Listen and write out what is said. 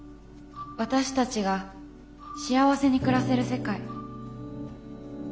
私たちが幸せに暮らせる世界。